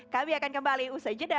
kami akan kembali usai jeda